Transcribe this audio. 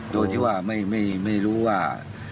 โดยที่ว่าไม่รู้ว่า